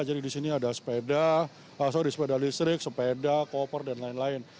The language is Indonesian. jadi di sini ada sepeda sorry sepeda listrik sepeda koper dan lain lain